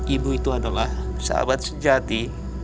ibu itu adalah sahabat sejati